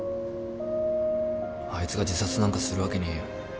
あいつが自殺なんかするわけねえよ。